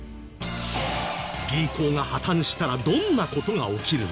銀行が破たんしたらどんな事が起きるの？